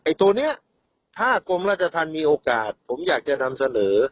ตัวนี้ถ้ากรมราชธรรมมีโอกาสผมอยากจะนำเสนอ